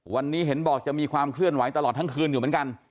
วันนี้เห็นบอกจะมีความเคลื่อนไหวตลอดทั้งคืนอยู่เหมือนกัน